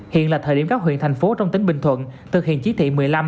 hiện là thời điểm các huyện thành phố trong tỉnh bình thuận thực hiện chỉ thị một mươi năm